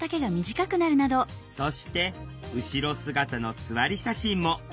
そして後ろ姿の座り写真も。